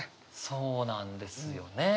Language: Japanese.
そうなんですよね。